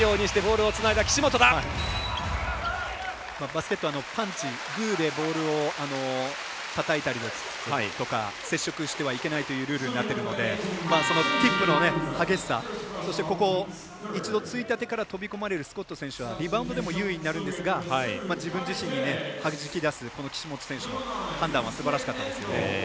バスケットはグーでボールをたたいたりとか接触してはいけないというルールになっているのでそのティップの激しさそして、一度ついたてから飛び込まれるスコット選手はリバウンドでも優位になるんですが自分自身にはじき出す岸本選手の判断はすばらしかったですよね。